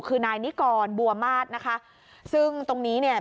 คือนายนิกรบัวมาสนะคะซึ่งตรงนี้เนี่ย